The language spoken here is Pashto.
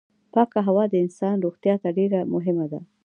پاکه هوا د انسان روغتيا ته ډېره مهمه ده.